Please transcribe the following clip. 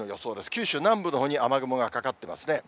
九州南部のほうに雨雲がかかっていますね。